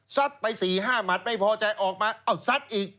ไป๔๕หมัดไม่พอใจออกมาเอ้าซัดอีก